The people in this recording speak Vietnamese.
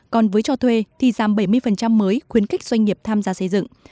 còn với cho thuê thì giảm bảy mươi mới khuyến khích doanh nghiệp tham gia xây dựng